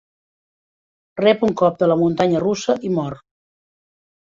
Rep un cop de la muntanya russa i mor.